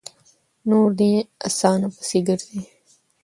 نور دې اسانو پسې ګرځي؛